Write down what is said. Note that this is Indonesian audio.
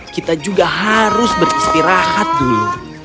kita juga harus beristirahat dulu